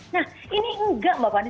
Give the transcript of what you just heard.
nah ini enggak mbak fani